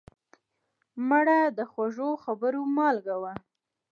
مړه د خوږو خبرو مالګه وه